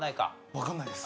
わかんないです。